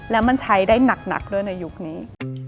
แล้วมันใช้ได้หนักด้วยในยุคนี้